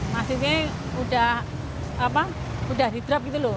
maksudnya udah di drop gitu loh